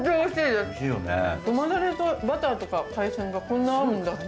ごまだれとバターとか海鮮がこんなに合うんだって。